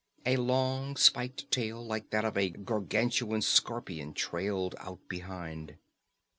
A long spiked tail, like that of a gargantuan scorpion, trailed out behind.